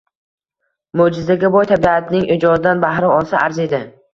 Mo‘jizaga boy tabiatning ijodidan bahra olsa arziydi